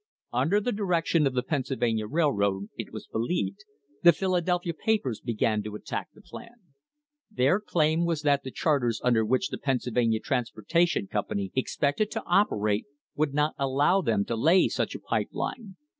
Under the direction of the Pennsylvania Railroad, it was believed, the Philadelphia papers began to attack the plan. Their claim was that the charters under which the Pennsyl vania Transportation Company expected to operate would not allow them to lay such a pipe line.